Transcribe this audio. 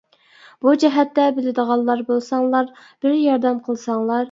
بۇ جەھەتتە بىلىدىغانلار بولساڭلار بىر ياردەم قىلساڭلار.